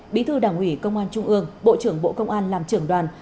bí thư đảng ủy công an trung ương bộ trưởng bộ công an làm trưởng đoàn